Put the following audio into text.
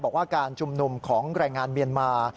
บอกว่าการจุ่มนุมของรายงานเมียนมา